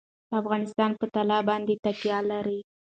افغانستان په طلا باندې تکیه لري.